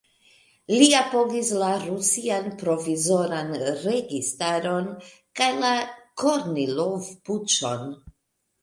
Li apogis la Rusian provizoran registaron kaj la Kornilov-puĉon.